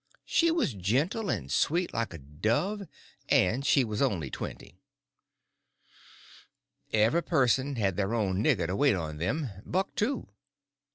She was gentle and sweet like a dove, and she was only twenty. Each person had their own nigger to wait on them—Buck too.